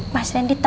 mas randi tau gak